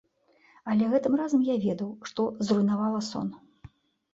Але гэтым разам я ведаў, што зруйнавала сон.